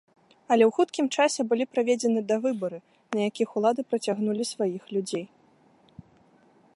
Але ў хуткім часе былі праведзены давыбары, на якіх улады прыцягнулі сваіх людзей.